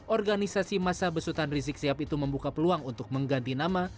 organisasi masa besutan rizik sihab itu membuka peluang untuk mengganti nama